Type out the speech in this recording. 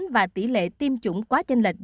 và tỷ lệ tiêm chủng quá chân lệch